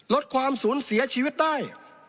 ลดความสูญเสียชีวิตได้